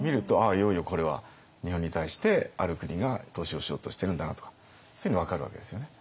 いよいよこれは日本に対してある国が投資をしようとしてるんだなとかそういうの分かるわけですよね。